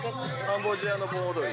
カンボジアの盆踊り。